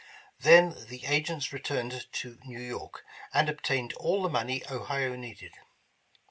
Then the agents returned to New York, and obtained all the money Ohio needed.